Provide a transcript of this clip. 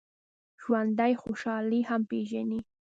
ژوندي خوشحالي هم پېژني